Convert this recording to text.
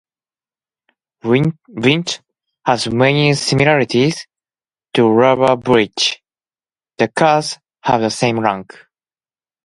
Vint has many similarities to rubber bridge: The cards have the same rank.